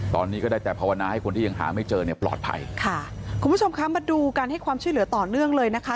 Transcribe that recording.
ตอนนี้ก็ได้แต่ภาวนาให้คนที่ยังหาไม่เจอเนี่ยปลอดภัยค่ะคุณผู้ชมคะมาดูการให้ความช่วยเหลือต่อเนื่องเลยนะคะ